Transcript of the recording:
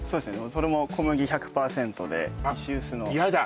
それも小麦１００％で石臼のやだ